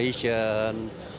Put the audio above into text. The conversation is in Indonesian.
jadi pakai air kondisi